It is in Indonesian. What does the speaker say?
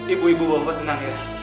ibu ibu bapak senang ya